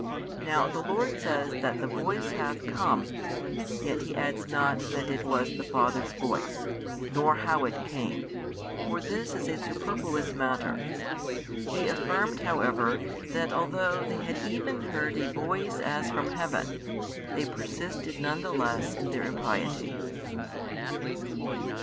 Now the Lord says that the Voice hath come; yet He adds not that it was the Father's Voice, nor how it came: for this is a superfluous matter. He affirmed however that although they had even heard a Voice as from heaven, they persisted none the less in their impiety.